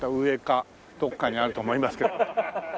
どこかにあると思いますけど。